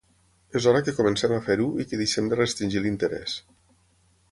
És hora que comencem a fer-ho i que deixem de restringir l’interès.